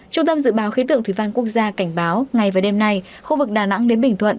trung tâm dự báo khí tượng thủy văn quốc gia cảnh báo ngày và đêm nay khu vực đà nẵng đến bình thuận